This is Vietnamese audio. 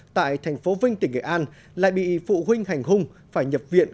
tại thành phố vinh tỉnh nghệ an lại bị phụ huynh hành hung phải nhập viện